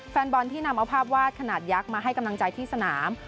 แฟนบอลที่นำเอาภาพวาดขนาดยักษ์มาให้กำลังใจที่สนาม